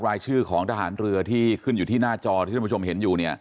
รายชื่อของทหารเรือที่ขึ้นอยู่ที่หน้าจอที่ท่านผู้ชมเห็นอยู่เนี่ย